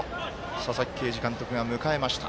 佐々木啓司監督が迎えました。